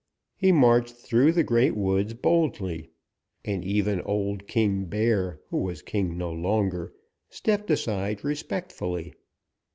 He marched through the Great Woods boldly, and even old King Bear, who was king no longer, stepped aside respectfully.